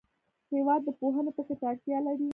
هېواد د پوهانو فکر ته اړتیا لري.